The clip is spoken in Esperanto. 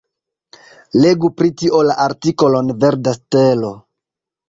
Legu pri tio la artikolon Verda stelo.